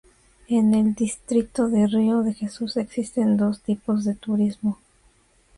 En el Distrito de Río de Jesús existen dos tipos de turismo.